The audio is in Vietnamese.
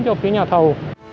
cho phía nhà thầu